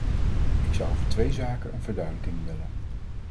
Ik zou over twee zaken een verduidelijking willen.